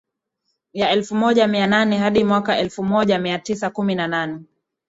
ya elfu moja mia nane hadi mwaka elfu moja mia tisa kumi na nane